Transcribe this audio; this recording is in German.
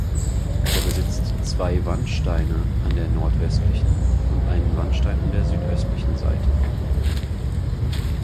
Er besitzt zwei Wandsteine an der nordwestlichen und einen Wandstein an der südöstlichen Seite.